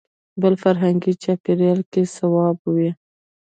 بل فرهنګي چاپېریال کې صواب وي.